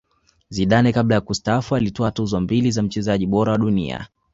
zidane kabla ya kustaafu alitwaa tuzo mbili za mchezaji bora wa dunia